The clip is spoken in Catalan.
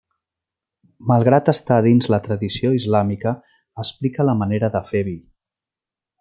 Malgrat estar dins la tradició islàmica, explica la manera de fer vi.